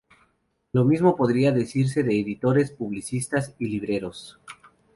Lo mismo podría decirse de editores, publicistas, y libreros.